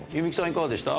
いかがでした？